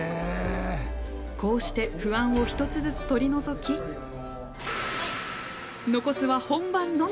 こうして不安を１つずつ取り除き残すは本番のみ！